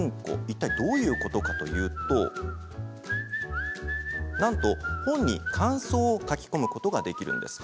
いったいどういうことかというとなんと、本に感想を書き込むことができるんです。